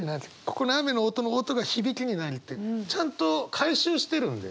ここの雨の音の「音」が「響」になるってちゃんと回収してるんだよね。